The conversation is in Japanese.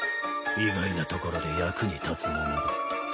意外なところで役に立つものだ。